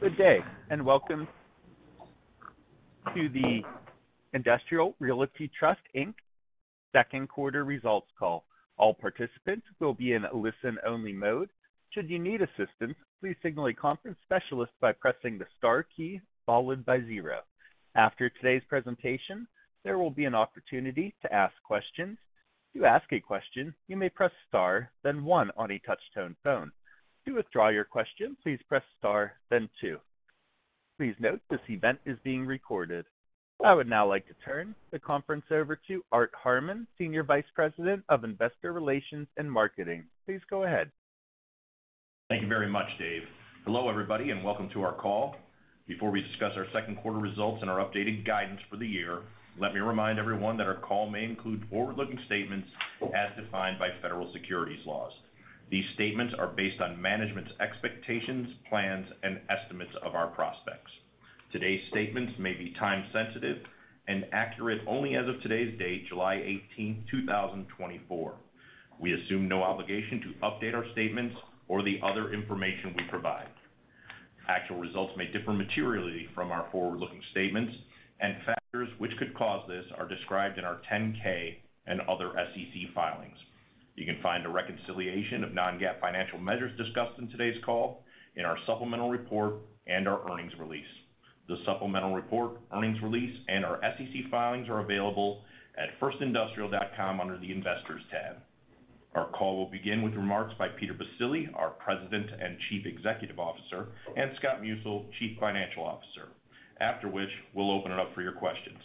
Good day, and welcome to the First Industrial Realty Trust, Inc. second quarter results call. All participants will be in a listen-only mode. Should you need assistance, please signal a conference specialist by pressing the star key, followed by zero. After today's presentation, there will be an opportunity to ask questions. To ask a question, you may press Star, then One on a touchtone phone. To withdraw your question, please press Star, then Two. Please note, this event is being recorded. I would now like to turn the conference over to Art Harmon, Senior Vice President of Investor Relations and Marketing. Please go ahead. Thank you very much, Dave. Hello, everybody, and welcome to our call. Before we discuss our second quarter results and our updated guidance for the year, let me remind everyone that our call may include forward-looking statements as defined by federal securities laws. These statements are based on management's expectations, plans, and estimates of our prospects. Today's statements may be time sensitive and accurate only as of today's date, July 18, 2024. We assume no obligation to update our statements or the other information we provide. Actual results may differ materially from our forward-looking statements, and factors which could cause this are described in our 10-K and other SEC filings. You can find a reconciliation of non-GAAP financial measures discussed in today's call in our supplemental report and our earnings release. The supplemental report, earnings release, and our SEC filings are available at firstindustrial.com under the Investors tab. Our call will begin with remarks by Peter Baccile, our President and Chief Executive Officer, and Scott Musil, Chief Financial Officer, after which we'll open it up for your questions.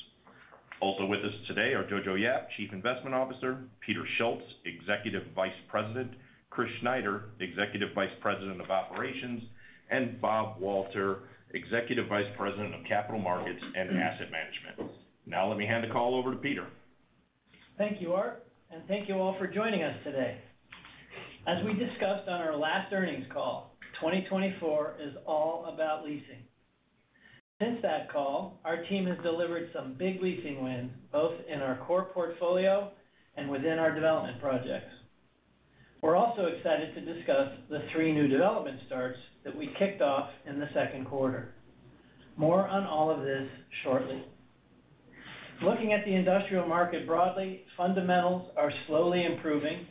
Also with us today are Jojo Yap, Chief Investment Officer, Peter Schultz, Executive Vice President, Chris Schneider, Executive Vice President of Operations, and Bob Walter, Executive Vice President of Capital Markets and Asset Management. Now, let me hand the call over to Peter. Thank you, Art, and thank you all for joining us today. As we discussed on our last earnings call, 2024 is all about leasing. Since that call, our team has delivered some big leasing wins, both in our core portfolio and within our development projects. We're also excited to discuss the three new development starts that we kicked off in the second quarter. More on all of this shortly. Looking at the industrial market broadly, fundamentals are slowly improving,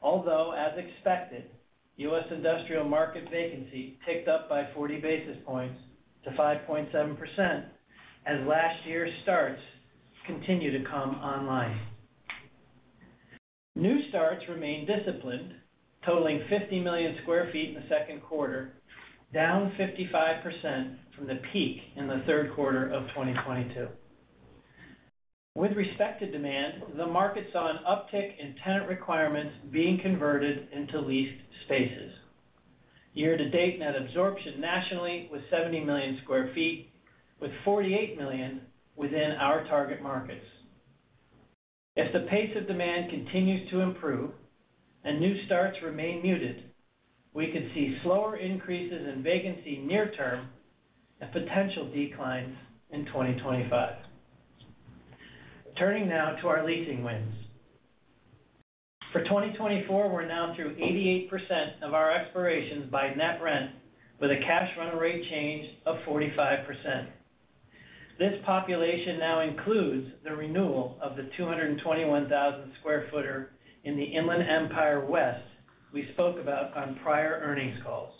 although, as expected, U.S. industrial market vacancy ticked up by 40 basis points to 5.7% as last year's starts continue to come online. New starts remain disciplined, totaling 50 million sq ft in the second quarter, down 55% from the peak in the third quarter of 2022. With respect to demand, the market saw an uptick in tenant requirements being converted into leased spaces. Year to date, net absorption nationally was 70 million sq ft, with 48 million within our target markets. If the pace of demand continues to improve and new starts remain muted, we could see slower increases in vacancy near term and potential declines in 2025. Turning now to our leasing wins. For 2024, we're now through 88% of our expirations by net rent, with a cash rental rate change of 45%. This population now includes the renewal of the 221,000 square-footer in the Inland Empire West we spoke about on prior earnings calls.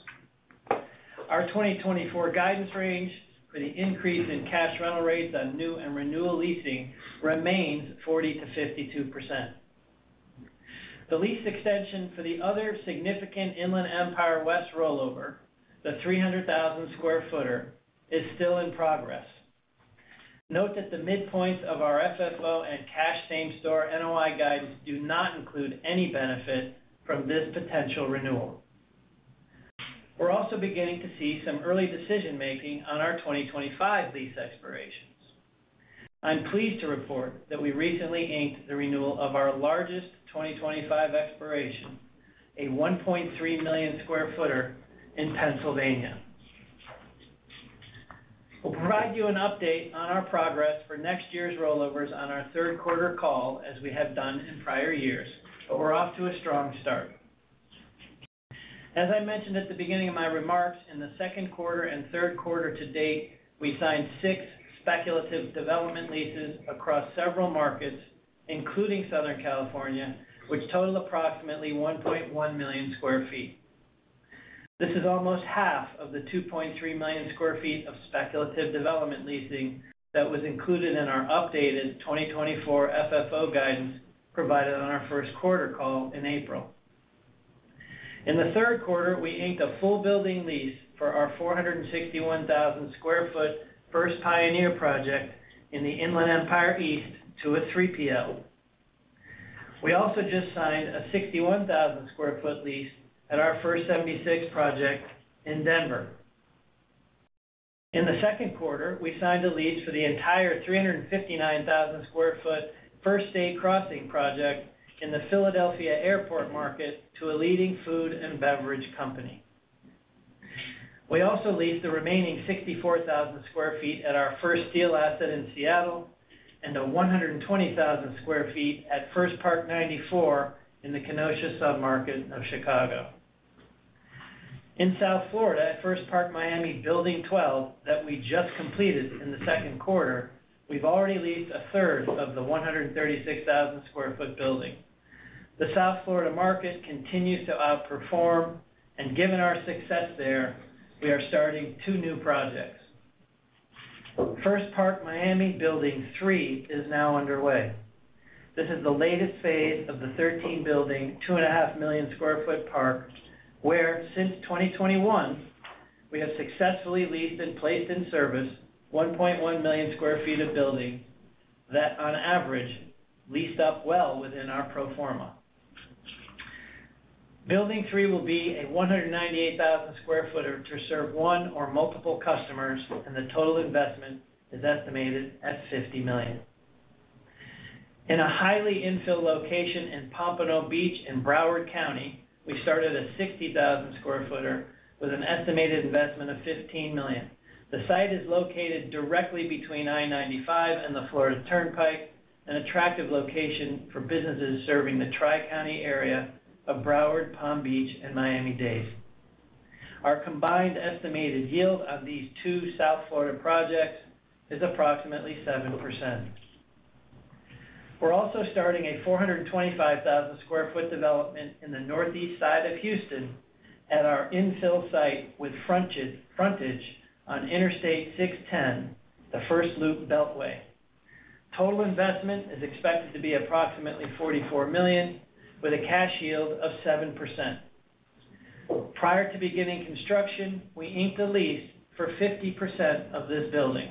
Our 2024 guidance range for the increase in cash rental rates on new and renewal leasing remains 40%-52%. The lease extension for the other significant Inland Empire West rollover, the 300,000 square-footer, is still in progress. Note that the midpoints of our FFO and cash same-store NOI guidance do not include any benefit from this potential renewal. We're also beginning to see some early decision-making on our 2025 lease expirations. I'm pleased to report that we recently inked the renewal of our largest 2025 expiration, a 1.3 million square-footer in Pennsylvania. We'll provide you an update on our progress for next year's rollovers on our third quarter call, as we have done in prior years, but we're off to a strong start. As I mentioned at the beginning of my remarks, in the second quarter and third quarter to date, we signed six speculative development leases across several markets, including Southern California, which total approximately 1.1 million sq ft. This is almost half of the 2.3 million sq ft of speculative development leasing that was included in our updated 2024 FFO guidance provided on our first quarter call in April. In the third quarter, we inked a full building lease for our 461,000 sq ft First Pioneer project in the Inland Empire East to a 3PL. We also just signed a 61,000 sq ft lease at our First 76 project in Denver. In the second quarter, we signed a lease for the entire 359,000 sq ft First Day Crossing project in the Philadelphia Airport market to a leading food and beverage company. We also leased the remaining 64,000 sq ft at our First Steele asset in Seattle and 120,000 sq ft at First Park 94 in the Kenosha submarket of Chicago.... In South Florida, at First Park Miami Building 12, that we just completed in the second quarter, we've already leased a third of the 136,000 sq ft building. The South Florida market continues to outperform, and given our success there, we are starting two new projects. First Park Miami Building Three is now underway. This is the latest phase of the 13-building, 2.5 million sq ft park, where, since 2021, we have successfully leased and placed in service 1.1 million sq ft of building, that on average, leased up well within our pro forma. Building Three will be a 198,000 sq ft building to serve one or multiple customers, and the total investment is estimated at $50 million. In a highly infill location in Pompano Beach in Broward County, we started a 60,000 sq ft building with an estimated investment of $15 million. The site is located directly between I-95 and the Florida Turnpike, an attractive location for businesses serving the tri-county area of Broward, Palm Beach, and Miami-Dade. Our combined estimated yield on these two South Florida projects is approximately 7%. We're also starting a 425,000 sq ft development in the northeast side of Houston at our infill site, with frontage on Interstate 610, the first loop beltway. Total investment is expected to be approximately $44 million, with a cash yield of 7%. Prior to beginning construction, we inked a lease for 50% of this building.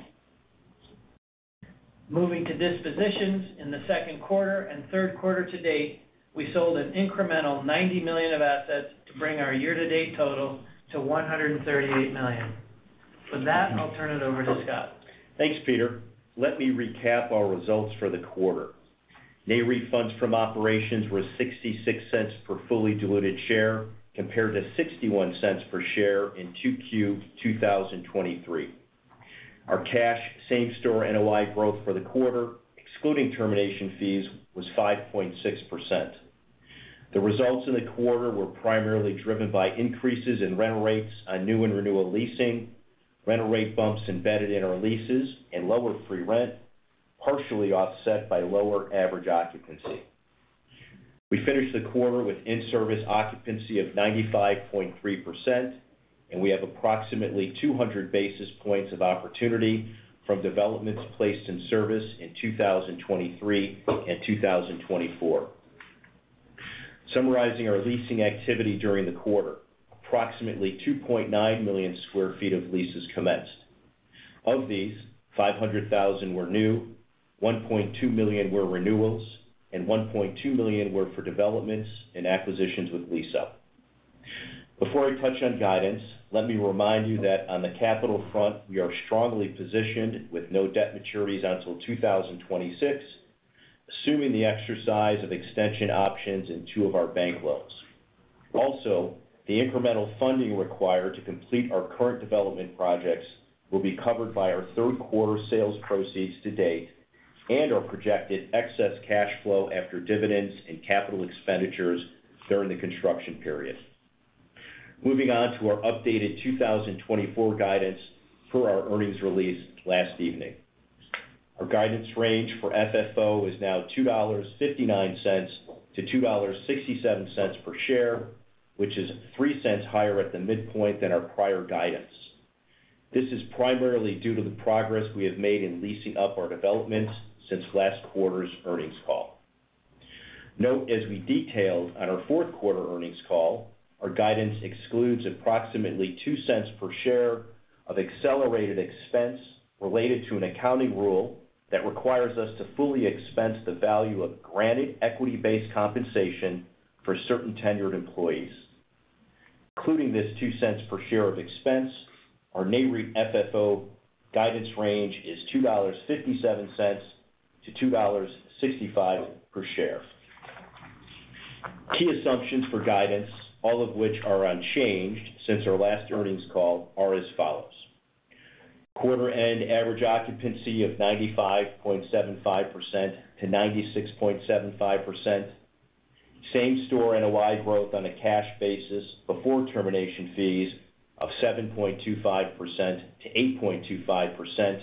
Moving to dispositions, in the second quarter and third quarter to date, we sold an incremental $90 million of assets to bring our year-to-date total to $138 million. With that, I'll turn it over to Scott. Thanks, Peter. Let me recap our results for the quarter. NAREIT funds from operations were $0.66 per fully diluted share, compared to $0.61 per share in 2Q 2023. Our cash same-store NOI growth for the quarter, excluding termination fees, was 5.6%. The results in the quarter were primarily driven by increases in rental rates on new and renewal leasing, rental rate bumps embedded in our leases and lower free rent, partially offset by lower average occupancy. We finished the quarter with in-service occupancy of 95.3%, and we have approximately 200 basis points of opportunity from developments placed in service in 2023 and 2024. Summarizing our leasing activity during the quarter: approximately 2.9 million sq ft of leases commenced. Of these, 500,000 were new, 1.2 million were renewals, and 1.2 million were for developments and acquisitions with lease up. Before I touch on guidance, let me remind you that on the capital front, we are strongly positioned with no debt maturities until 2026, assuming the exercise of extension options in 2 of our bank loans. Also, the incremental funding required to complete our current development projects will be covered by our third quarter sales proceeds to date and our projected excess cash flow after dividends and capital expenditures during the construction period. Moving on to our updated 2024 guidance for our earnings release last evening. Our guidance range for FFO is now $2.59-$2.67 per share, which is $0.03 higher at the midpoint than our prior guidance. This is primarily due to the progress we have made in leasing up our developments since last quarter's earnings call. Note, as we detailed on our fourth quarter earnings call, our guidance excludes approximately $0.02 per share of accelerated expense related to an accounting rule that requires us to fully expense the value of granted equity-based compensation for certain tenured employees. Including this $0.02 per share of expense, our NAREIT FFO guidance range is $2.57-$2.65 per share. Key assumptions for guidance, all of which are unchanged since our last earnings call, are as follows: quarter-end average occupancy of 95.75%-96.75%. Same-store NOI growth on a cash basis before termination fees of 7.25%-8.25%,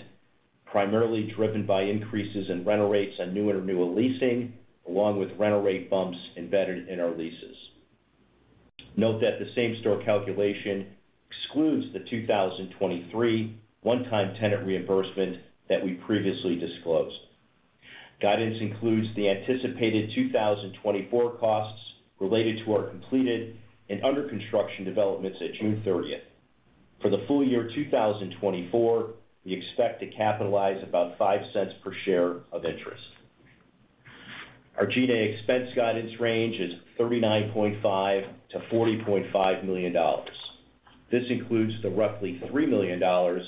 primarily driven by increases in rental rates on new and renewal leasing, along with rental rate bumps embedded in our leases. Note that the same-store calculation excludes the 2023 one-time tenant reimbursement that we previously disclosed. Guidance includes the anticipated 2024 costs related to our completed and under construction developments at June thirtieth. For the full year 2024, we expect to capitalize about $0.05 per share of interest. Our G&A expense guidance range is $39.5 million-$40.5 million. This includes the roughly $3 million, or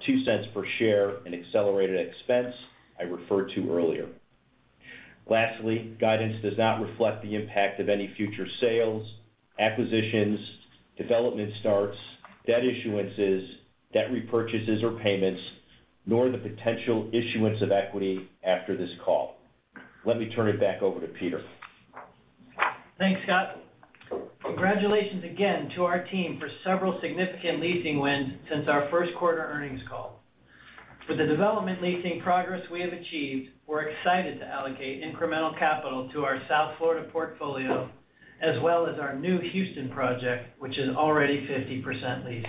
$0.02 per share, in accelerated expense I referred to earlier. Lastly, guidance does not reflect the impact of any future sales, acquisitions, development starts, debt issuances, debt repurchases or payments, nor the potential issuance of equity after this call. Let me turn it back over to Peter. Thanks, Scott. Congratulations again to our team for several significant leasing wins since our first quarter earnings call. With the development leasing progress we have achieved, we're excited to allocate incremental capital to our South Florida portfolio, as well as our new Houston project, which is already 50% leased.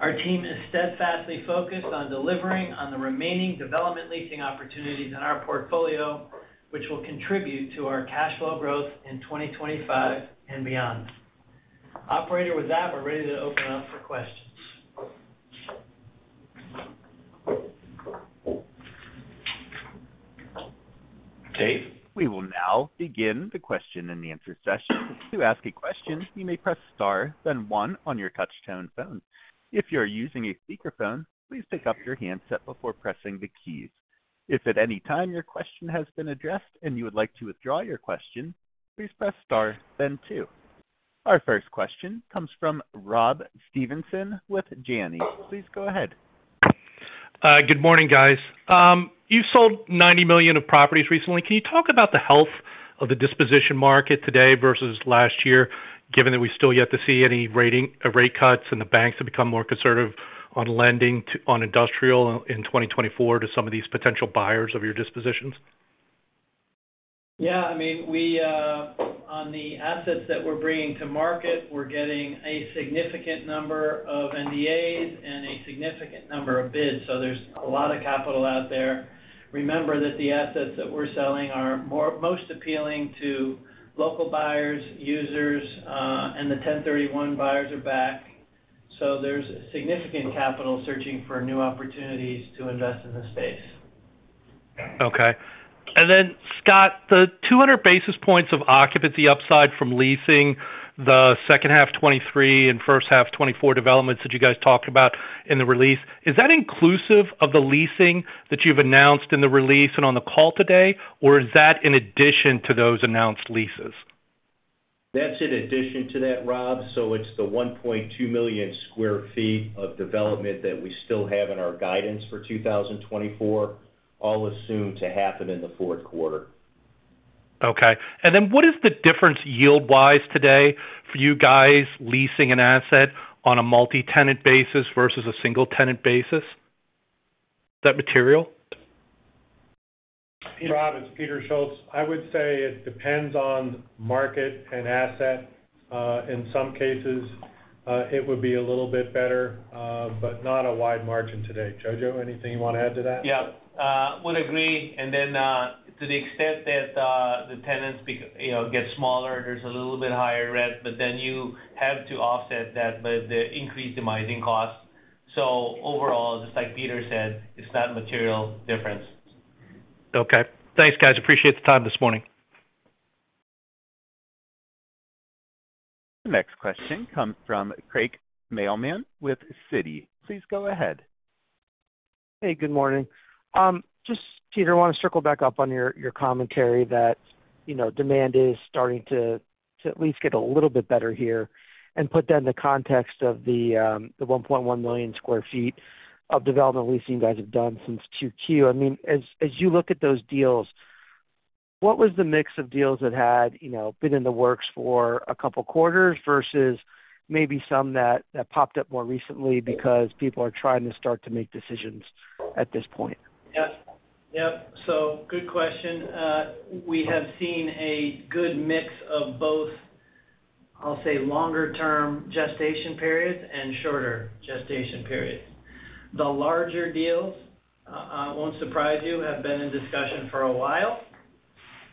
Our team is steadfastly focused on delivering on the remaining development leasing opportunities in our portfolio, which will contribute to our cash flow growth in 2025 and beyond. Operator, with that, we're ready to open up for questions. Dave? We will now begin the question and answer session. To ask a question, you may press Star, then One on your touchtone phone. If you're using a speakerphone, please pick up your handset before pressing the keys. If at any time your question has been addressed and you would like to withdraw your question, please press Star, then Two. Our first question comes from Rob Stevenson with Janney. Please go ahead. Good morning, guys. You sold $90 million of properties recently. Can you talk about the health of the disposition market today versus last year, given that we still yet to see any rate cuts and the banks have become more conservative on lending on industrial in 2024 to some of these potential buyers of your dispositions? Yeah, I mean, we on the assets that we're bringing to market, we're getting a significant number of NDAs and a significant number of bids, so there's a lot of capital out there. Remember that the assets that we're selling are more most appealing to local buyers, users, and the 1031 buyers are back. So there's significant capital searching for new opportunities to invest in this space. Okay. Scott, the 200 basis points of occupancy upside from leasing the second half 2023 and first half 2024 developments that you guys talked about in the release, is that inclusive of the leasing that you've announced in the release and on the call today? Or is that in addition to those announced leases? That's in addition to that, Rob, so it's the 1.2 million sq ft of development that we still have in our guidance for 2024, all assumed to happen in the fourth quarter. Okay. And then what is the difference yield-wise today for you guys leasing an asset on a multi-tenant basis versus a single-tenant basis? Is that material? Rob, it's Peter Schultz. I would say it depends on market and asset. In some cases, it would be a little bit better, but not a wide margin today. Jojo, anything you want to add to that? Yeah. Would agree, and then to the extent that the tenants be, you know, get smaller, there's a little bit higher rent, but then you have to offset that with the increased demising costs. So overall, just like Peter said, it's not a material difference. Okay. Thanks, guys. Appreciate the time this morning. The next question comes from Craig Mailman with Citi. Please go ahead. Hey, good morning. Just, Peter, I wanna circle back up on your, your commentary that, you know, demand is starting to, to at least get a little bit better here, and put that in the context of the, the 1.1 million sq ft of development leasing you guys have done since 2Q. I mean, as, as you look at those deals, what was the mix of deals that had, you know, been in the works for a couple quarters versus maybe some that, that popped up more recently because people are trying to start to make decisions at this point? Yeah. Yep. So, good question. We have seen a good mix of both, I'll say, longer term gestation periods and shorter gestation periods. The larger deals, it won't surprise you, have been in discussion for a while.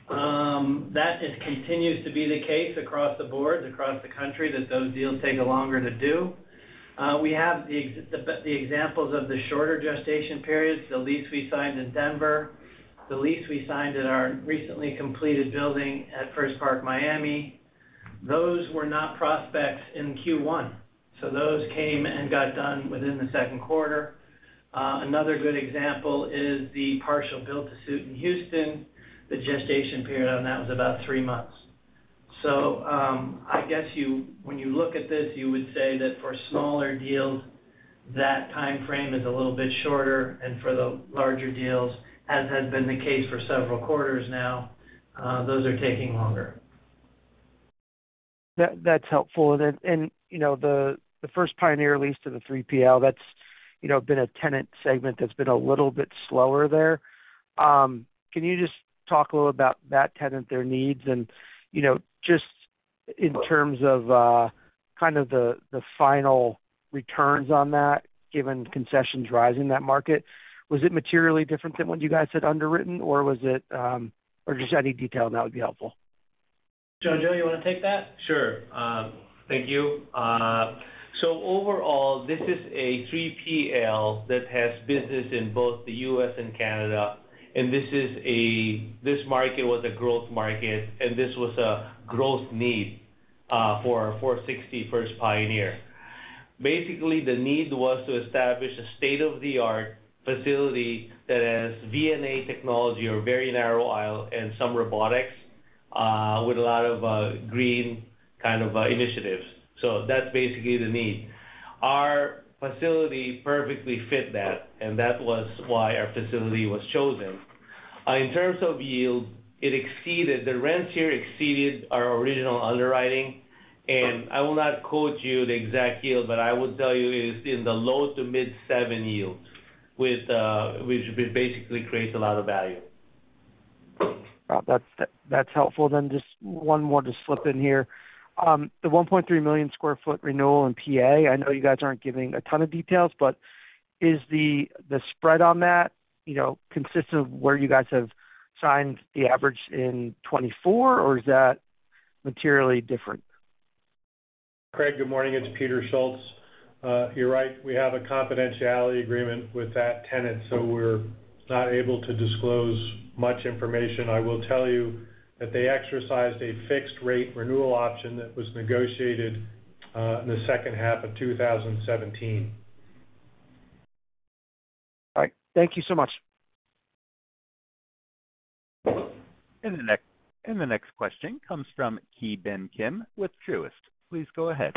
That just continues to be the case across the board, across the country, that those deals take longer to do. We have the examples of the shorter gestation periods, the lease we signed in Denver, the lease we signed at our recently completed building at First Park Miami. Those were not prospects in Q1, so those came and got done within the second quarter. Another good example is the partial build-to-suit in Houston. The gestation period on that was about three months. I guess when you look at this, you would say that for smaller deals, that timeframe is a little bit shorter, and for the larger deals, as has been the case for several quarters now, those are taking longer. That, that's helpful. And then, you know, the First Pioneer lease to the 3PL, that's, you know, been a tenant segment that's been a little bit slower there. Can you just talk a little about that tenant, their needs and, you know, just in terms of kind of the final returns on that, given concessions rising in that market? Was it materially different than what you guys had underwritten, or was it? Or just any detail that would be helpful. Jojo, you wanna take that? Sure. Thank you. So overall, this is a 3PL that has business in both the U.S. and Canada, and this market was a growth market, and this was a growth need for 460 First Pioneer. Basically, the need was to establish a state-of-the-art facility that has VNA technology or very narrow aisle and some robotics with a lot of green kind of initiatives. So that's basically the need. Our facility perfectly fit that, and that was why our facility was chosen. In terms of yield, the rents here exceeded our original underwriting, and I will not quote you the exact yield, but I will tell you it's in the low to mid seven yield, with which basically creates a lot of value. Well, that's, that's helpful. Then just one more to slip in here. The 1.3 million sq ft renewal in PA, I know you guys aren't giving a ton of details, but is the, the spread on that, you know, consistent with where you guys have signed the average in 2024, or is that materially different? Craig, good morning, it's Peter Schultz. You're right, we have a confidentiality agreement with that tenant, so we're not able to disclose much information. I will tell you that they exercised a fixed rate renewal option that was negotiated in the second half of 2017. All right. Thank you so much. The next question comes from Ki Bin Kim with Truist. Please go ahead.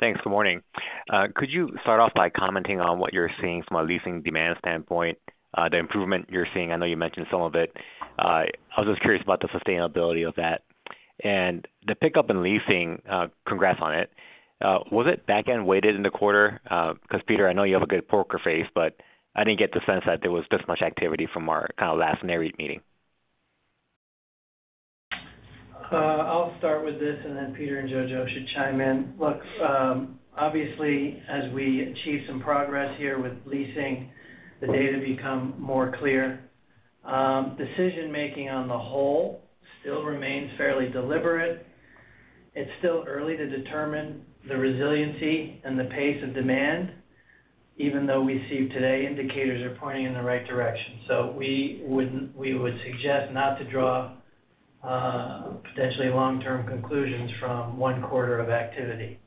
Thanks. Good morning. Could you start off by commenting on what you're seeing from a leasing demand standpoint, the improvement you're seeing? I know you mentioned some of it. I was just curious about the sustainability of that. The pickup in leasing, congrats on it. Was it back-end weighted in the quarter? 'Cause Peter, I know you have a good poker face, but I didn't get the sense that there was this much activity from our kind of last narrative meeting. I'll start with this, and then Peter and Jojo should chime in. Look, obviously, as we achieve some progress here with leasing, the data become more clear. Decision-making on the whole still remains fairly deliberate. It's still early to determine the resiliency and the pace of demand, even though we see today indicators are pointing in the right direction. So we would, we would suggest not to draw, potentially long-term conclusions from one quarter of activity.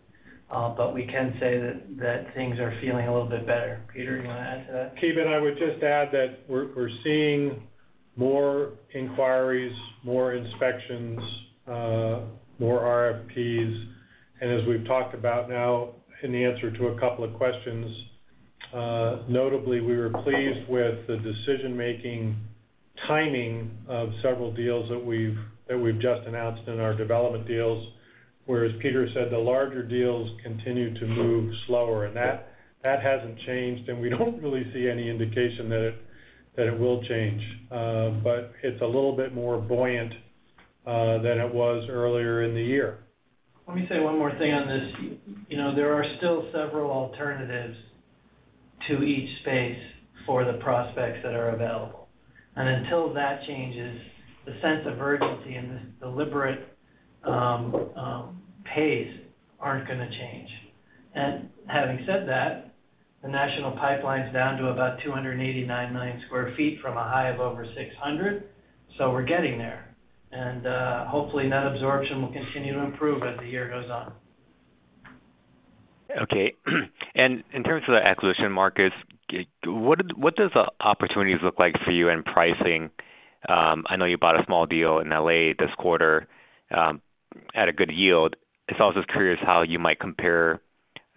But we can say that, that things are feeling a little bit better. Peter, you want to add to that? Ki Bin, I would just add that we're seeing more inquiries, more inspections, more RFPs. As we've talked about now in the answer to a couple of questions, notably, we were pleased with the decision-making timing of several deals that we've just announced in our development deals, whereas Peter said, the larger deals continue to move slower. That hasn't changed, and we don't really see any indication that it will change. But it's a little bit more buoyant than it was earlier in the year. Let me say one more thing on this. You know, there are still several alternatives to each space for the prospects that are available. And until that changes, the sense of urgency and this deliberate pace aren't going to change. And having said that, the national pipeline's down to about 289 million sq ft from a high of over 600, so we're getting there. And hopefully, net absorption will continue to improve as the year goes on. Okay. And in terms of the acquisition markets, what does the opportunities look like for you in pricing? I know you bought a small deal in LA this quarter, at a good yield. I was just curious how you might compare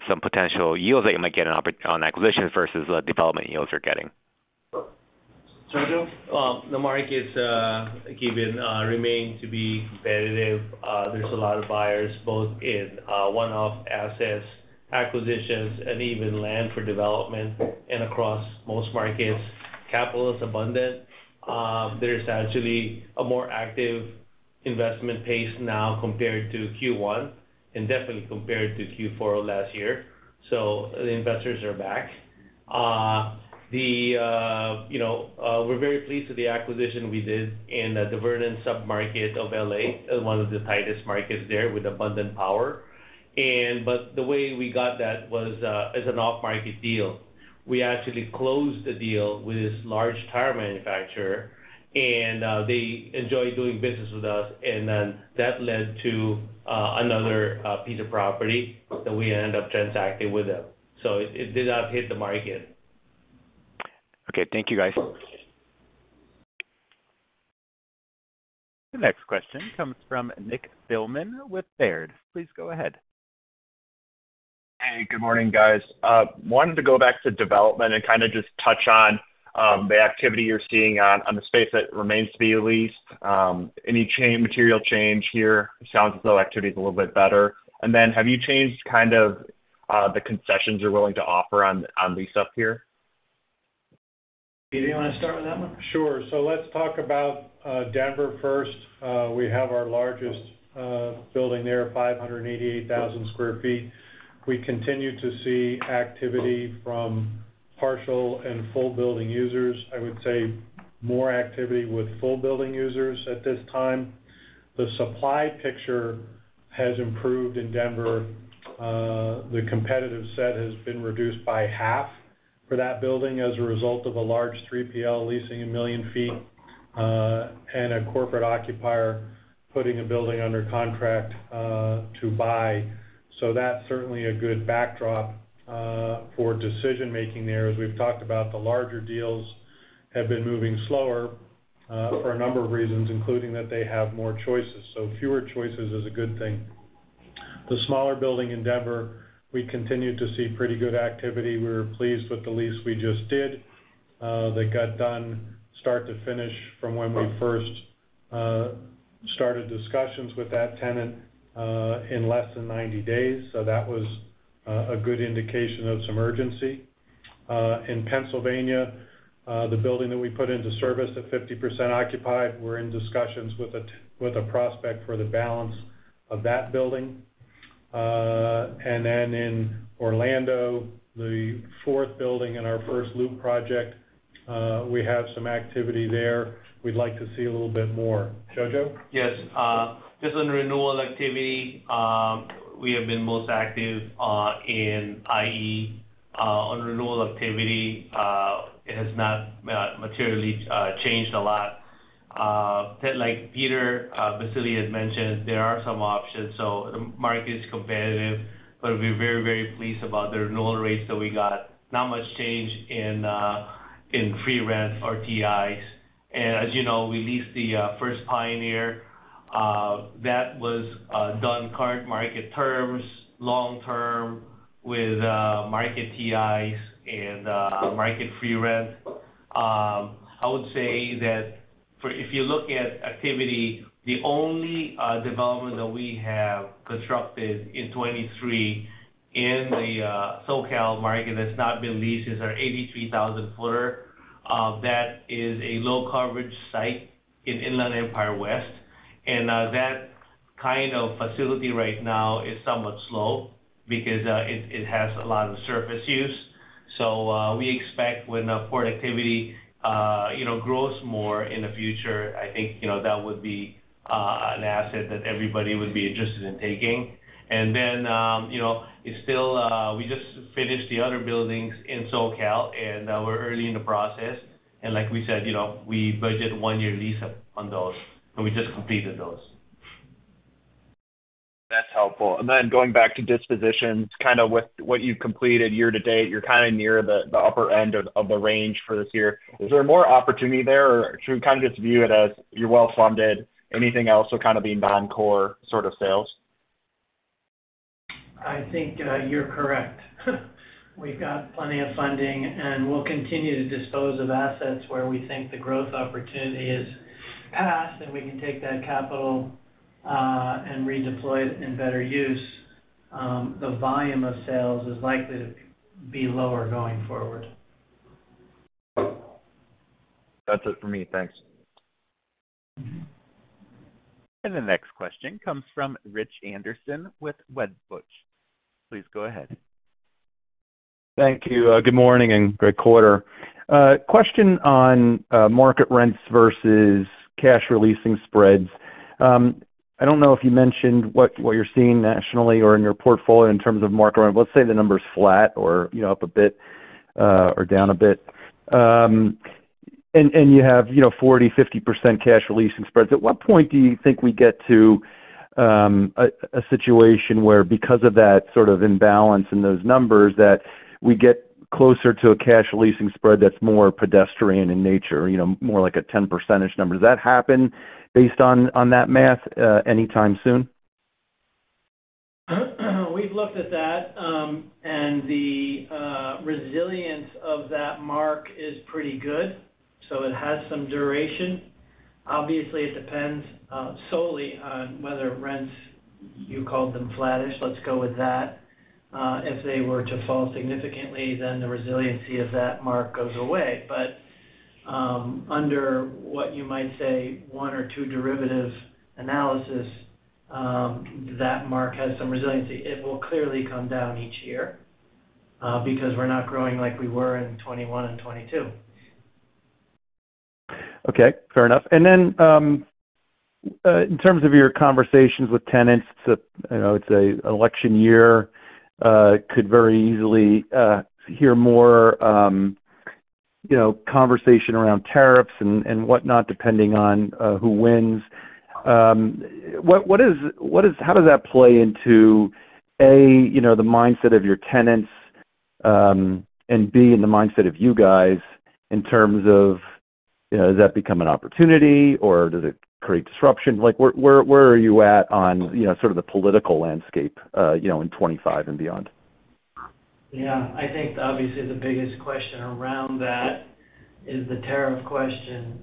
some potential yields that you might get on acquisitions versus the development yields you're getting. Jojo? Well, the market is, Ki Bin, remain to be competitive. There's a lot of buyers, both in, one-off assets, acquisitions, and even land for development, and across most markets, capital is abundant. There's actually a more active investment pace now compared to Q1, and definitely compared to Q4 of last year, so the investors are back. The, you know, we're very pleased with the acquisition we did in the Vernon submarket of LA, one of the tightest markets there with abundant power. And but the way we got that was, as an off-market deal. We actually closed the deal with this large tire manufacturer, and, they enjoy doing business with us, and then that led to, another, piece of property that we ended up transacting with them. So it, it did not hit the market. Okay. Thank you, guys. The next question comes from Nick Thillman with Baird. Please go ahead. Hey, good morning, guys. Wanted to go back to development and kind of just touch on the activity you're seeing on, on the space that remains to be leased. Any change, material change here? It sounds as though activity is a little bit better. And then, have you changed kind of the concessions you're willing to offer on, on lease up here? Peter, you want to start with that one? Sure. So let's talk about Denver first. We have our largest building there, 588,000 sq ft. We continue to see activity from partial and full building users. I would say more activity with full building users at this time. The supply picture has improved in Denver. The competitive set has been reduced by half for that building as a result of a large 3PL leasing 1 million sq ft, and a corporate occupier putting a building under contract to buy. So that's certainly a good backdrop for decision-making there. As we've talked about, the larger deals have been moving slower for a number of reasons, including that they have more choices. So fewer choices is a good thing... The smaller building in Denver, we continue to see pretty good activity. We're pleased with the lease we just did. They got done start to finish from when we first started discussions with that tenant in less than 90 days. So that was a good indication of some urgency. In Pennsylvania, the building that we put into service at 50% occupied, we're in discussions with a prospect for the balance of that building. And then in Orlando, the fourth building in our First Loop project, we have some activity there. We'd like to see a little bit more. Jojo? Yes, just on renewal activity, we have been most active in IE. On renewal activity, it has not materially changed a lot. But like Peter Baccile had mentioned, there are some options, so the market is competitive, but we're very, very pleased about the renewal rates that we got. Not much change in free rent or TIs. And as you know, we leased the First Pioneer, that was done current market terms, long term, with market TIs and market free rent. I would say that if you look at activity, the only development that we have constructed in 2023 in the SoCal market that's not been leased is our 83,000 footer. That is a low coverage site in Inland Empire West, and that kind of facility right now is somewhat slow because it has a lot of surface use. So, we expect when the port activity, you know, grows more in the future, I think, you know, that would be an asset that everybody would be interested in taking. And then, you know, it's still, we just finished the other buildings in SoCal, and we're early in the process. And like we said, you know, we budget one year lease on those, and we just completed those. That's helpful. And then going back to dispositions, kind of with what you've completed year to date, you're kind of near the upper end of the range for this year. Is there more opportunity there? Or should we kind of just view it as you're well-funded, anything else will kind of be non-core sort of sales? I think, you're correct. We've got plenty of funding, and we'll continue to dispose of assets where we think the growth opportunity is passed, and we can take that capital, and redeploy it in better use. The volume of sales is likely to be lower going forward. That's it for me. Thanks. The next question comes from Rich Anderson with Wedbush. Please go ahead. Thank you. Good morning and great quarter. Question on market rents versus cash releasing spreads. I don't know if you mentioned what, what you're seeing nationally or in your portfolio in terms of market rent. Let's say the number is flat or, you know, up a bit, or down a bit. And you have, you know, 40, 50% cash releasing spreads. At what point do you think we get to, a situation where because of that sort of imbalance in those numbers, that we get closer to a cash leasing spread that's more pedestrian in nature, you know, more like a 10% number? Does that happen based on, on that math, anytime soon? We've looked at that, and the resilience of that mark is pretty good, so it has some duration. Obviously, it depends solely on whether rents, you called them flattish. Let's go with that. If they were to fall significantly, then the resiliency of that mark goes away. But, under what you might say, one or two derivative analysis, that mark has some resiliency. It will clearly come down each year, because we're not growing like we were in 2021 and 2022. Okay, fair enough. Then, in terms of your conversations with tenants, you know, it's an election year, could very easily hear more, you know, conversation around tariffs and whatnot, depending on who wins. What is—how does that play into, A, you know, the mindset of your tenants, and B, in the mindset of you guys in terms of, you know, does that become an opportunity, or does it create disruption? Like, where are you at on, you know, sort of the political landscape, you know, in 2025 and beyond? Yeah, I think obviously the biggest question around that is the tariff question.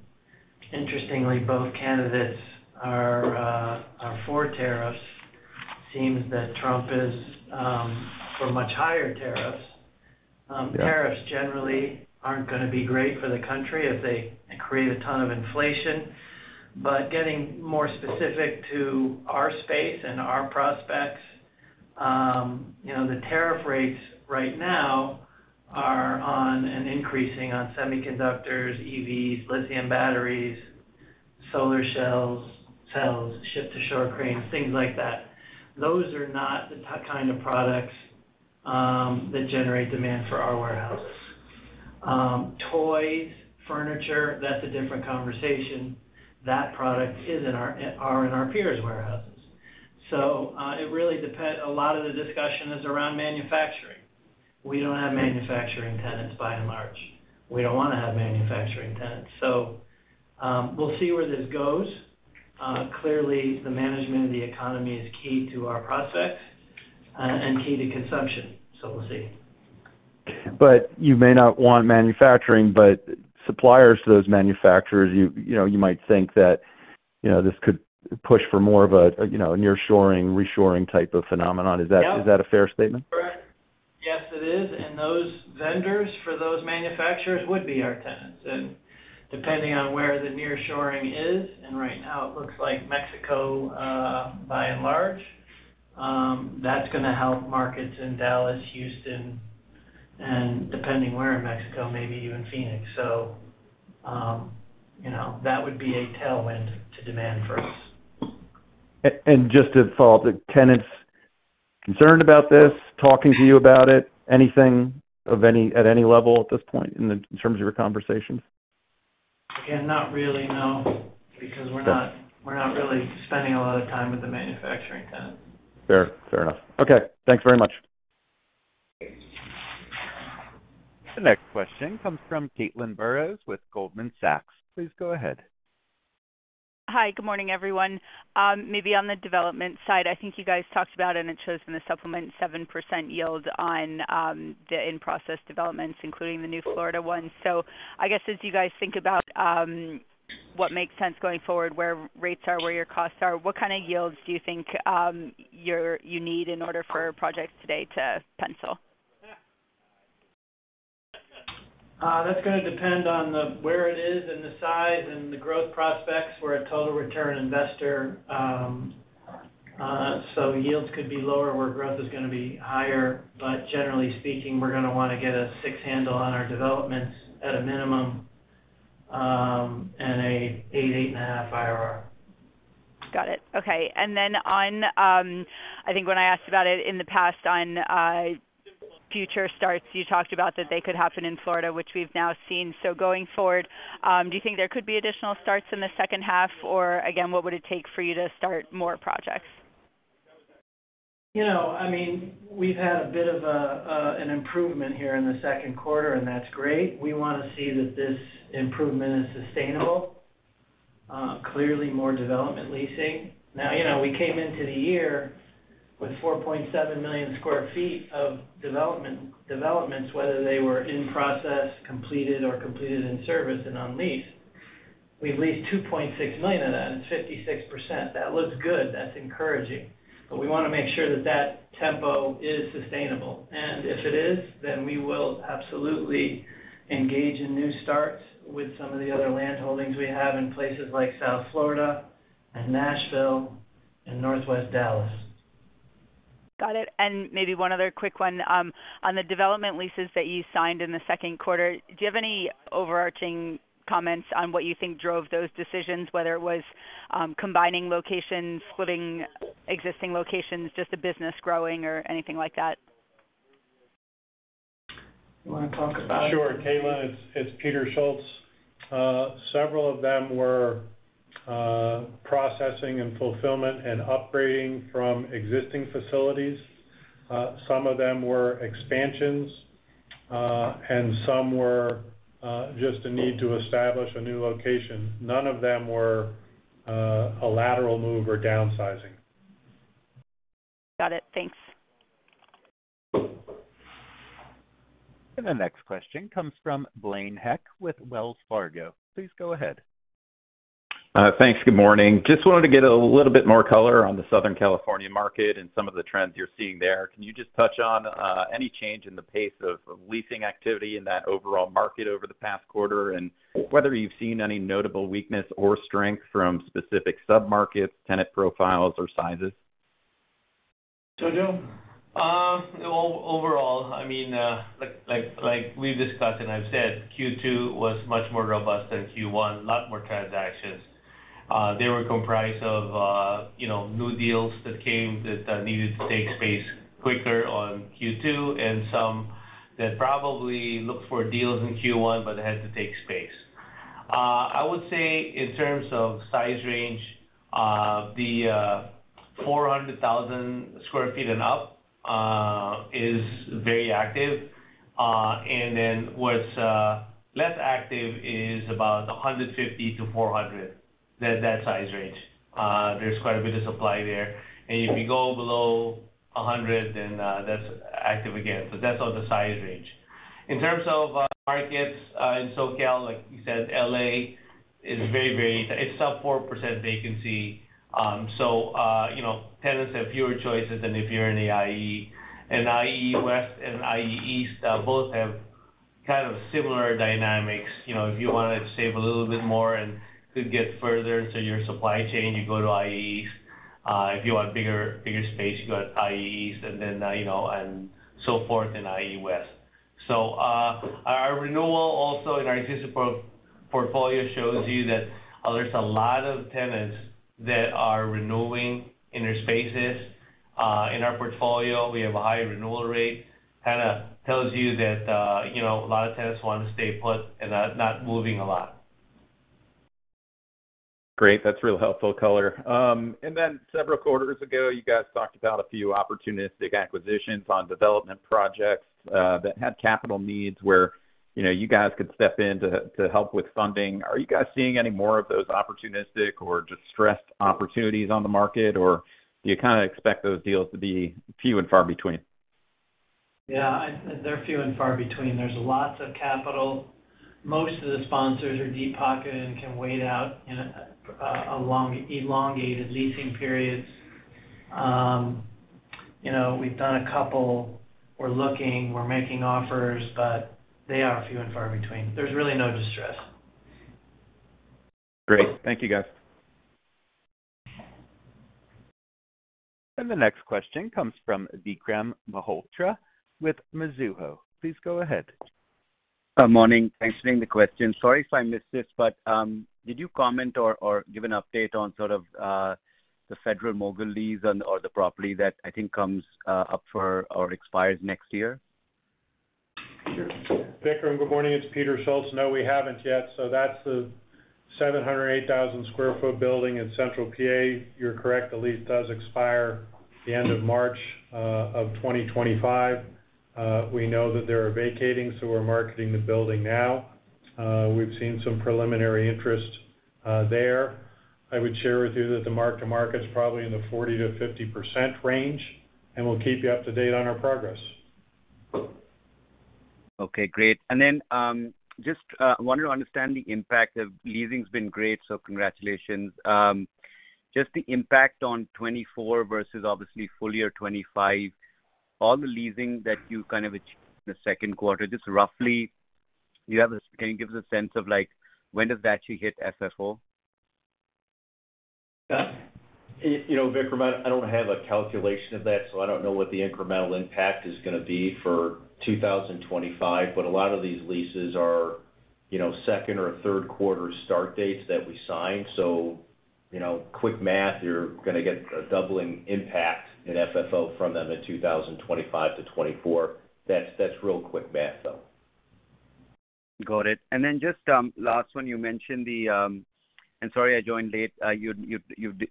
Interestingly, both candidates are, are for tariffs. Seems that Trump is, for much higher tariffs. Yeah. Tariffs generally aren't gonna be great for the country if they create a ton of inflation. But getting more specific to our space and our prospects, you know, the tariff rates right now are on an increasing on semiconductors, EVs, lithium batteries, solar shells, cells, ship-to-shore cranes, things like that. Those are not the kind of products that generate demand for our warehouses. Toys, furniture, that's a different conversation. That product is in our, in our and our peers' warehouses. So, it really depends. A lot of the discussion is around manufacturing. We don't have manufacturing tenants, by and large. We don't wanna have manufacturing tenants. So, we'll see where this goes. Clearly, the management of the economy is key to our prospects, and key to consumption, so we'll see. But you may not want manufacturing, but suppliers to those manufacturers. You know, you might think that, you know, this could push for more of a, you know, nearshoring, reshoring type of phenomenon. Yep. Is that, is that a fair statement? Correct. Yes, it is. And those vendors for those manufacturers would be our tenants. And depending on where the nearshoring is, and right now, it looks like Mexico, by and large, that's gonna help markets in Dallas, Houston, and depending where in Mexico, maybe even Phoenix. So, you know, that would be a tailwind to demand for us. Just to follow up, are tenants concerned about this, talking to you about it? Anything at any level at this point in terms of your conversations? Again, not really, no. Okay. Because we're not, we're not really spending a lot of time with the manufacturing tenants. Fair. Fair enough. Okay, thanks very much. The next question comes from Caitlin Burrows with Goldman Sachs. Please go ahead. Hi, good morning, everyone. Maybe on the development side, I think you guys talked about, and it shows in the supplement, 7% yield on the in-process developments, including the new Florida one. So I guess, as you guys think about what makes sense going forward, where rates are, where your costs are, what kind of yields do you think you need in order for projects today to pencil? That's gonna depend on where it is, and the size, and the growth prospects. We're a total return investor, so yields could be lower where growth is gonna be higher. But generally speaking, we're gonna wanna get a 6 handle on our developments at a minimum, and a eight, 8.5 IRR. Got it. Okay. And then on, I think when I asked about it in the past on, future starts, you talked about that they could happen in Florida, which we've now seen. So going forward, do you think there could be additional starts in the second half? Or again, what would it take for you to start more projects? You know, I mean, we've had a bit of an improvement here in the second quarter, and that's great. We wanna see that this improvement is sustainable, clearly, more development leasing. Now, you know, we came into the year with 4.7 million sq ft of development, developments, whether they were in process, completed, or completed in service and on lease. We've leased 2.6 million of that, and 56%. That looks good. That's encouraging. But we wanna make sure that that tempo is sustainable. And if it is, then we will absolutely engage in new starts with some of the other land holdings we have in places like South Florida, and Nashville, and Northwest Dallas. Got it. And maybe one other quick one. On the development leases that you signed in the second quarter, do you have any overarching comments on what you think drove those decisions, whether it was, combining locations, splitting existing locations, just the business growing, or anything like that? You wanna talk about it? Sure, Caitlin, it's Peter Schultz. Several of them were processing and fulfillment and upgrading from existing facilities. Some of them were expansions, and some were just a need to establish a new location. None of them were a lateral move or downsizing. Got it. Thanks. The next question comes from Blaine Heck with Wells Fargo. Please go ahead. Thanks. Good morning. Just wanted to get a little bit more color on the Southern California market and some of the trends you're seeing there. Can you just touch on any change in the pace of leasing activity in that overall market over the past quarter? And whether you've seen any notable weakness or strength from specific submarkets, tenant profiles, or sizes. Jo Jo? Well, overall, I mean, like we've discussed, and I've said, Q2 was much more robust than Q1, a lot more transactions. They were comprised of, you know, new deals that came that needed to take space quicker on Q2, and some that probably looked for deals in Q1, but had to take space. I would say, in terms of size range, the 400,000 sq ft and up is very active. And then what's less active is about 150-400, that size range. There's quite a bit of supply there. And if you go below 100, then that's active again. So that's on the size range. In terms of markets, in SoCal, like you said, LA is very, very, it's sub 4% vacancy. So, you know, tenants have fewer choices than if you're in the IE. And IE West and IE East both have kind of similar dynamics. You know, if you wanted to save a little bit more and could get further into your supply chain, you go to IE East. If you want bigger, bigger space, you go to IE East, and then, you know, and so forth in IE West. So, our renewal also in our existing portfolio shows you that there's a lot of tenants that are renewing in their spaces. In our portfolio, we have a high renewal rate. Kinda tells you that, you know, a lot of tenants want to stay put and not moving a lot. ... Great. That's real helpful color. And then several quarters ago, you guys talked about a few opportunistic acquisitions on development projects that had capital needs where, you know, you guys could step in to, to help with funding. Are you guys seeing any more of those opportunistic or distressed opportunities on the market, or do you kind of expect those deals to be few and far between? Yeah, they're few and far between. There's lots of capital. Most of the sponsors are deep-pocketed and can wait out in a long, elongated leasing periods. You know, we've done a couple. We're looking, we're making offers, but they are few and far between. There's really no distress. Great. Thank you, guys. The next question comes from Vikram Malhotra with Mizuho. Please go ahead. Morning. Thanks for taking the question. Sorry if I missed this, but did you comment or give an update on sort of the Federal-Mogul lease or the property that I think comes up for or expires next year? Sure. Vikram, good morning. It's Peter Schultz. No, we haven't yet. So that's the 708,000 sq ft building in Central PA. You're correct, the lease does expire the end of March, of 2025. We know that they are vacating, so we're marketing the building now. We've seen some preliminary interest, there. I would share with you that the mark-to-market is probably in the 40%-50% range, and we'll keep you up to date on our progress. Okay, great. Just wanted to understand the impact of leasing. Leasing's been great, so congratulations. Just the impact on 2024 versus obviously full year 2025, all the leasing that you kind of achieved in the second quarter, just roughly, can you give us a sense of, like, when does that actually hit FFO? Scott? You know, Vikram, I don't have a calculation of that, so I don't know what the incremental impact is going to be for 2025. But a lot of these leases are, you know, second or third quarter start dates that we signed. So, you know, quick math, you're gonna get a doubling impact in FFO from them in 2025 to 2024. That's real quick math, though. Got it. And then just last one, you mentioned the... And sorry, I joined late. You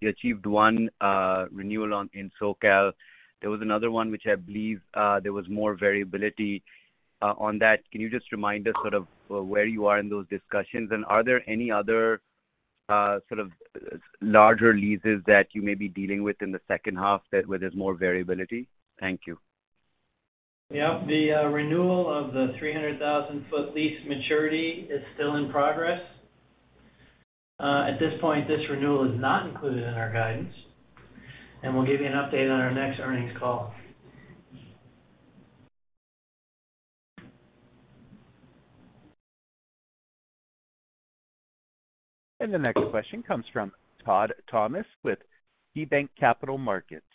achieved one renewal in SoCal. There was another one, which I believe there was more variability on that. Can you just remind us sort of where you are in those discussions? And are there any other sort of larger leases that you may be dealing with in the second half that where there's more variability? Thank you. Yeah. The renewal of the 300,000 sq ft lease maturity is still in progress. At this point, this renewal is not included in our guidance, and we'll give you an update on our next earnings call. The next question comes from Todd Thomas with KeyBanc Capital Markets.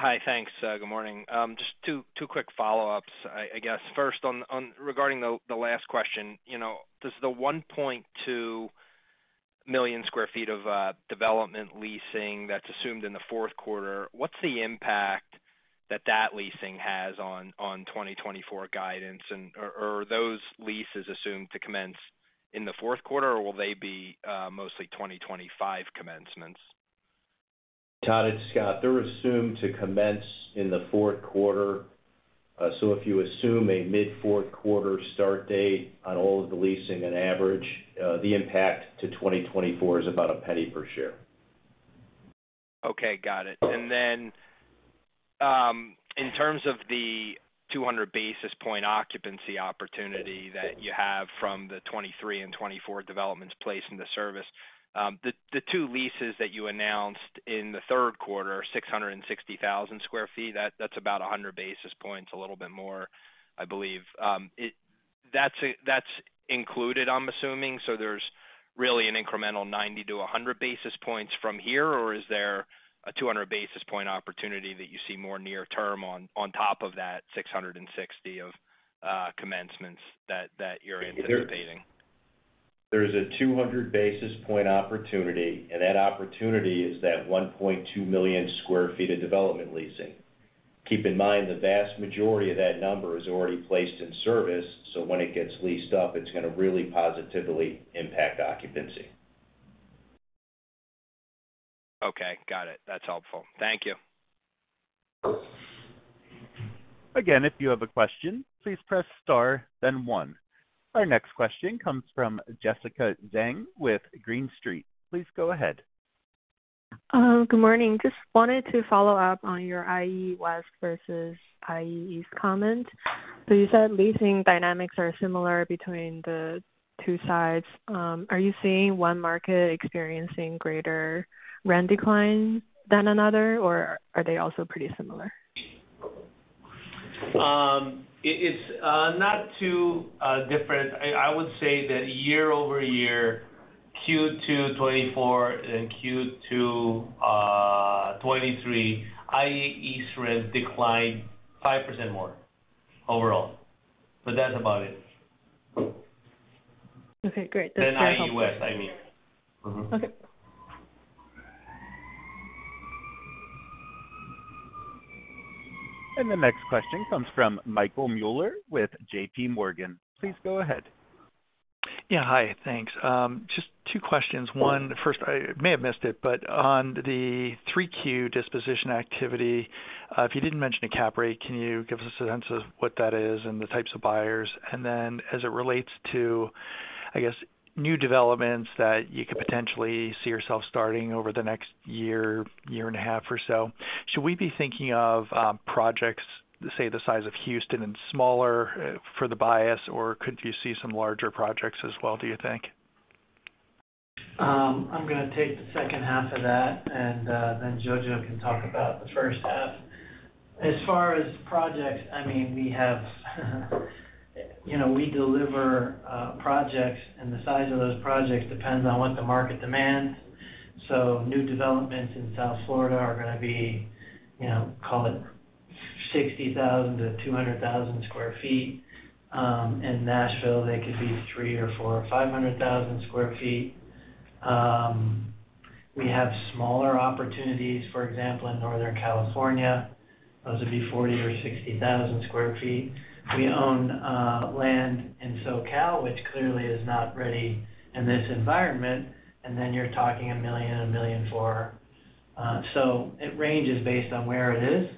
Hi, thanks. Good morning. Just two quick follow-ups. I guess, first on regarding the last question, you know, does the 1.2 million sq ft of development leasing that's assumed in the fourth quarter, what's the impact that that leasing has on 2024 guidance? And are those leases assumed to commence in the fourth quarter, or will they be mostly 2025 commencements? Todd, it's Scott. They're assumed to commence in the fourth quarter. So if you assume a mid fourth quarter start date on all of the leasing on average, the impact to 2024 is about $0.01 per share. Okay, got it. And then, in terms of the 200 basis point occupancy opportunity that you have from the 2023 and 2024 developments placed into service, the two leases that you announced in the third quarter are 660,000 sq ft. That's about 100 basis points, a little bit more, I believe. That's included, I'm assuming. So there's really an incremental 90-100 basis points from here, or is there a 200 basis point opportunity that you see more near term on top of that 660 of commencements that you're anticipating? There is a 200 basis points opportunity, and that opportunity is that 1.2 million sq ft of development leasing. Keep in mind, the vast majority of that number is already placed in service, so when it gets leased up, it's gonna really positively impact occupancy. Okay, got it. That's helpful. Thank you. Again, if you have a question, please press Star, then One. Our next question comes from Jessica Zheng with Green Street. Please go ahead. Good morning. Just wanted to follow up on your IE West versus IE East comment. So you said leasing dynamics are similar between the two sides. Are you seeing one market experiencing greater rent decline than another, or are they also pretty similar? It is not too different. I would say that year-over-year, Q2 2024 and Q2 2023, IE East rents declined 5% more overall, but that's about it. Okay, great. Then IE West, I mean. Mm-hmm. Okay. ... And the next question comes from Michael Mueller with J.P. Morgan. Please go ahead. Yeah. Hi, thanks. Just two questions. One, first, I may have missed it, but on the 3Q disposition activity, if you didn't mention a cap rate, can you give us a sense of what that is and the types of buyers? And then as it relates to, I guess, new developments that you could potentially see yourself starting over the next year, year and a half or so, should we be thinking of projects, say, the size of Houston and smaller, for the basis, or could you see some larger projects as well, do you think? I'm gonna take the second half of that, and then Jojo can talk about the first half. As far as projects, I mean, we have, you know, we deliver projects, and the size of those projects depends on what the market demands. So new developments in South Florida are gonna be, you know, call it 60,000-200,000 square feet. In Nashville, they could be 300,000 or 400,000 or 500,000 square feet. We have smaller opportunities, for example, in Northern California. Those would be 40,000 or 60,000 square feet. We own land in SoCal, which clearly is not ready in this environment, and then you're talking 1 million, 1.4 million. So it ranges based on where it is.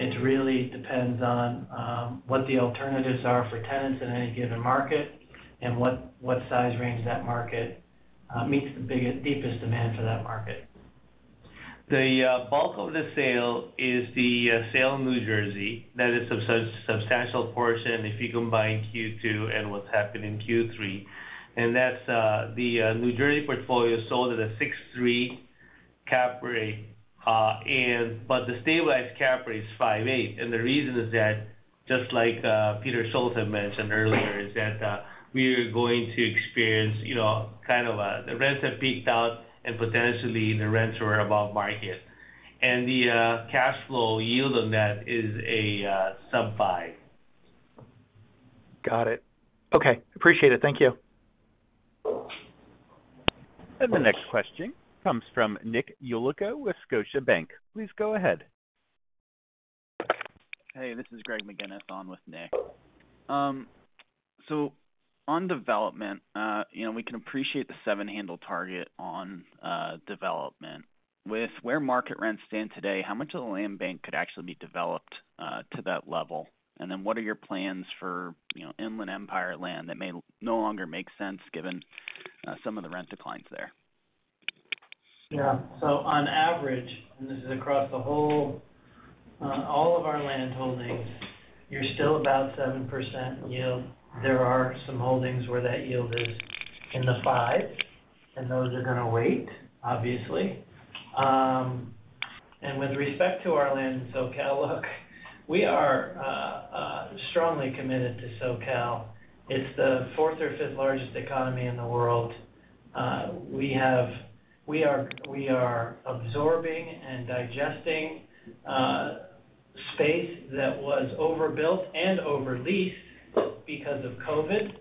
It really depends on what the alternatives are for tenants in any given market and what size range that market meets the biggest deepest demand for that market. The bulk of the sale is the sale in New Jersey. That is substantial portion if you combine Q2 and what's happened in Q3, and that's the New Jersey portfolio sold at a 6.3 cap rate, and but the stabilized cap rate is 5.8. And the reason is that, just like Peter Schultz mentioned earlier, is that we are going to experience, you know, kind of, the rents have peaked out and potentially the rents are above market. And the cash flow yield on that is a sub-Five. Got it. Okay, appreciate it. Thank you. The next question comes from Nicholas Yulico with Scotiabank. Please go ahead. Hey, this is Greg McGinnis on with Nick. So on development, you know, we can appreciate the seven handle target on development. With where market rents stand today, how much of the land bank could actually be developed to that level? And then what are your plans for, you know, Inland Empire land that may no longer make sense, given some of the rent declines there? Yeah. So on average, and this is across the whole, all of our land holdings, you're still about 7% yield. There are some holdings where that yield is in the fives, and those are gonna wait, obviously. And with respect to our land in SoCal, look, we are strongly committed to SoCal. It's the fourth or fifth largest economy in the world. We are absorbing and digesting space that was overbuilt and over leased because of COVID.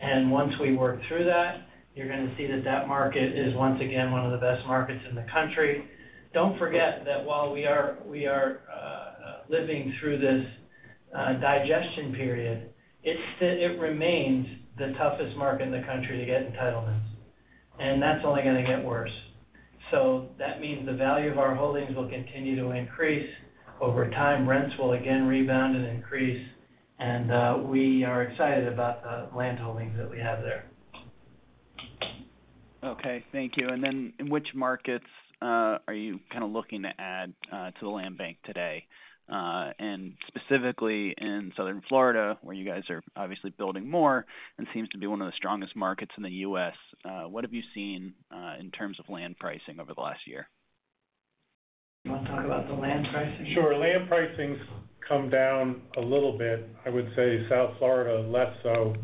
And once we work through that, you're gonna see that that market is once again one of the best markets in the country. Don't forget that while we are living through this, digestion period, it's still it remains the toughest market in the country to get entitlements, and that's only gonna get worse. So that means the value of our holdings will continue to increase over time. Rents will again rebound and increase, and we are excited about the land holdings that we have there. Okay. Thank you. And then in which markets are you kind of looking to add to the land bank today? And specifically in South Florida, where you guys are obviously building more and seems to be one of the strongest markets in the U.S., what have you seen in terms of land pricing over the last year? You want to talk about the land pricing? Sure. Land pricing's come down a little bit. I would say South Florida, less so.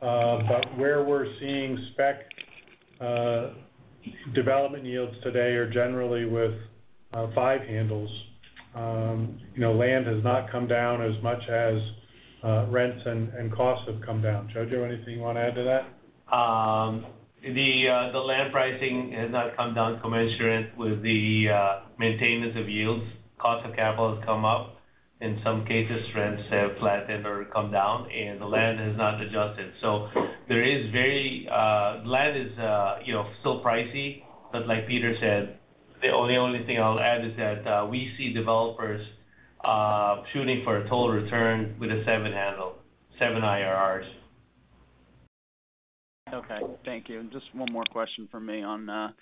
But where we're seeing spec development yields today are generally with five handles. You know, land has not come down as much as rents and costs have come down. Jojo, anything you want to add to that? The land pricing has not come down commensurate with the maintenance of yields. Cost of capital has come up. In some cases, rents have flattened or come down, and the land has not adjusted. So there is very land is, you know, still pricey, but like Peter said, the only, only thing I'll add is that we see developers shooting for a total return with a seven handle, seven IRRs. Okay. Thank you. And just one more question for me on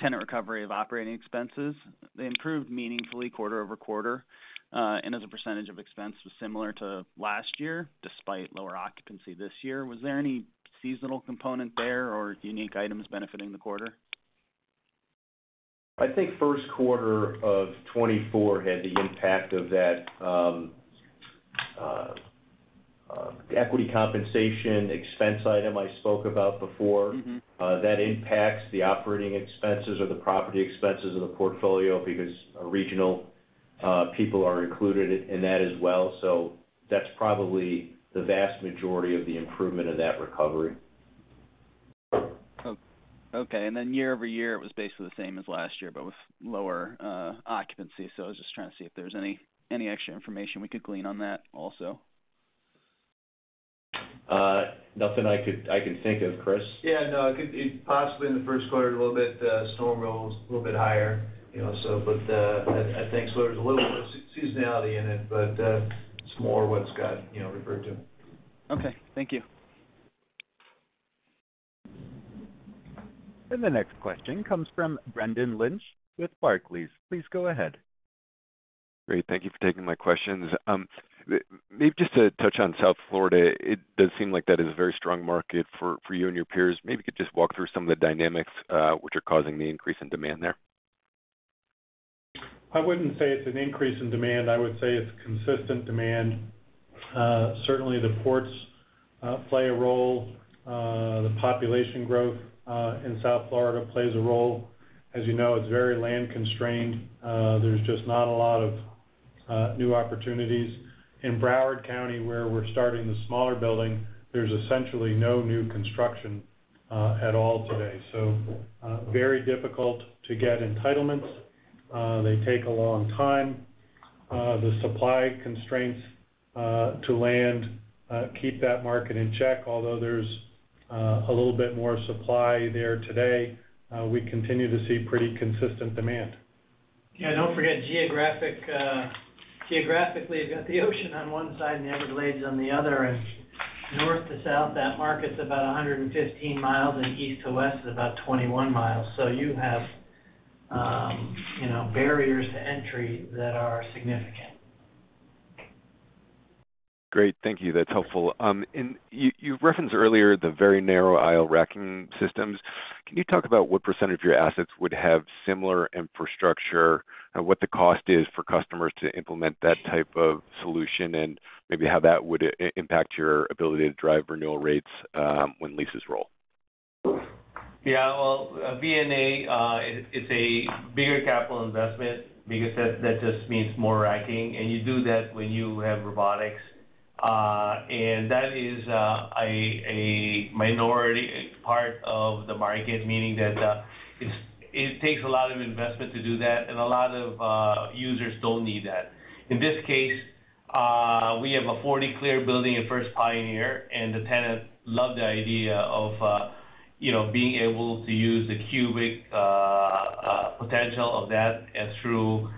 tenant recovery of operating expenses. They improved meaningfully quarter-over-quarter, and as a percentage of expense was similar to last year, despite lower occupancy this year. Was there any seasonal component there or unique items benefiting the quarter? I think first quarter of 2024 had the impact of that, equity compensation expense item I spoke about before. Mm-hmm. That impacts the operating expenses or the property expenses of the portfolio because our regional people are included in that as well. So that's probably the vast majority of the improvement of that recovery. Okay, and then year-over-year, it was basically the same as last year, but with lower occupancy. So I was just trying to see if there's any extra information we could glean on that also. Nothing I can think of. Chris? Yeah, no, it could be possibly in the first quarter, a little bit. Storm rolls a little bit higher, you know, so but I think so. There's a little bit of seasonality in it, but it's more what Scott, you know, referred to. Okay, thank you. The next question comes from Brendan Lynch with Barclays. Please go ahead. Great, thank you for taking my questions. Maybe just to touch on South Florida, it does seem like that is a very strong market for, for you and your peers. Maybe you could just walk through some of the dynamics, which are causing the increase in demand there. I wouldn't say it's an increase in demand. I would say it's consistent demand. Certainly, the ports play a role. The population growth in South Florida plays a role. As you know, it's very land-constrained. There's just not a lot of new opportunities. In Broward County, where we're starting the smaller building, there's essentially no new construction at all today, so very difficult to get entitlements. They take a long time. The supply constraints to land keep that market in check, although there's a little bit more supply there today, we continue to see pretty consistent demand. Yeah, don't forget geographic, geographically, you've got the ocean on one side and the Everglades on the other, and north to south, that market's about 115 miles, and east to west is about 21 miles. So you have, you know, barriers to entry that are significant. Great, thank you. That's helpful. And you referenced earlier the very narrow aisle racking systems. Can you talk about what percentage of your assets would have similar infrastructure? And what the cost is for customers to implement that type of solution, and maybe how that would impact your ability to drive renewal rates, when leases roll? Yeah, well, VNA, it's a bigger capital investment because that just means more racking, and you do that when you have robotics. And that is a minority part of the market, meaning that it takes a lot of investment to do that, and a lot of users don't need that. In this case, we have a 40 clear building at First Pioneer, and the tenant loved the idea of, you know, being able to use the cubic potential of that and through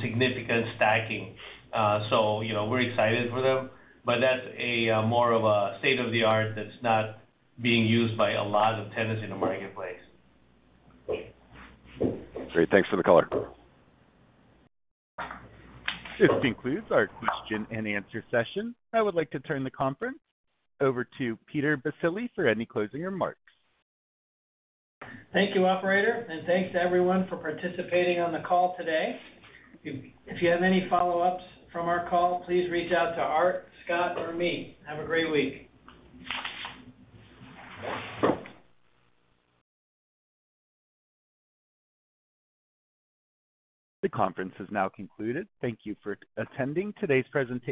significant stacking. So, you know, we're excited for them, but that's more of a state-of-the-art that's not being used by a lot of tenants in the marketplace. Great, thanks for the color. This concludes our question and answer session. I would like to turn the conference over to Peter Baccile for any closing remarks. Thank you, operator, and thanks to everyone for participating on the call today. If you have any follow-ups from our call, please reach out to Art, Scott, or me. Have a great week. The conference is now concluded. Thank you for attending today's presentation.